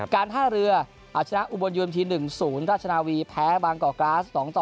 การท่าเรือเอาชนะอุบลยูมที๑๐ราชนาวีแพ้บางกอกกราส๒ต่อ